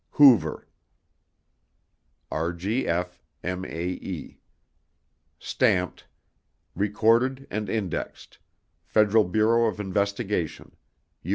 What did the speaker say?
HOOVER RGF:mae [Stamped: RECORDED & INDEXED FEDERAL BUREAU OF INVESTIGATION U.